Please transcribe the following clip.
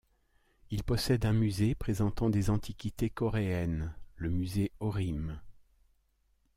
Il possède un musée présentant des antiquités coréennes, le musée Horim.